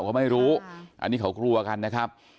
เขาไม่รู้อันนี้เขากลัวกันนะครับ